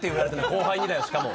後輩にだよしかも。